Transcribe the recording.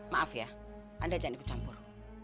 maaf ya anda jangan ikut campur